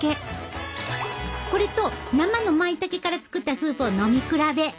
これと生のまいたけから作ったスープを飲み比べ！